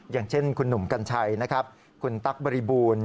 อย่างเช่นคุณหนุ่มกัญชัยนะครับคุณตั๊กบริบูรณ์